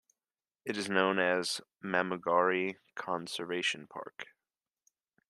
It is now known as Mamumgari Conservation Park.